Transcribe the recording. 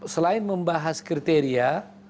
selain membahas kriteria